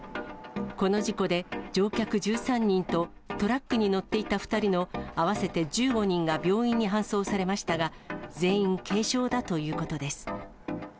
この事故で、乗客１３人とトラックに乗っていた２人の合わせて１５人が病院に搬送されましたが、全員、軽傷だということです。